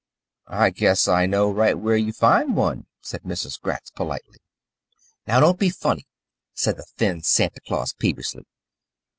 "I guess I know right where you find one," said Mrs. Gratz politely. "Now, don't be funny," said the thin Santa Claus peevishly.